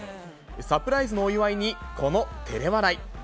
サプライズのお祝いに、このてれ笑い。